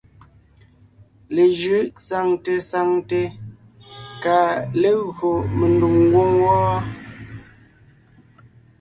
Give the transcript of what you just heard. Lejʉ̌ʼ saŋte saŋte kà légÿo mendùm ngwóŋ wɔ́ɔ.